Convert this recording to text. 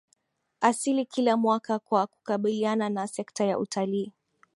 asili kila mwaka Kwa kukabiliana na sekta ya utalii